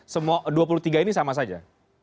semua dua puluh tiga ini sama saja